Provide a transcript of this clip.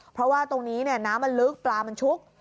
เพราะว่าตรงนี้น้ำมันลึกปลามันชุก